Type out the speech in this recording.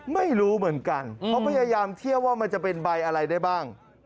ไม่รู้เหมือนกันเขาพยายามเทียบว่ามันจะเป็นใบอะไรได้บ้าง